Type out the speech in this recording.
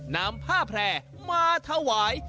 นำผ้าแพร่มาถวาย